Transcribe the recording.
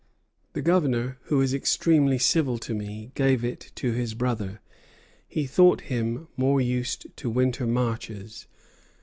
The Governor, who is extremely civil to me, gave it to his brother; he thought him more used to winter marches.